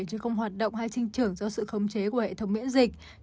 chứ không hoạt động hay sinh trưởng do sự khống chế của hệ thống miễn dịch